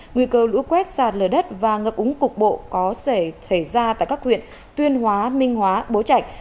nguy cơ lũ quét sạt lở đất và ngập úng cục bộ có thể xảy ra tại các huyện tuyên hóa minh hóa bố trạch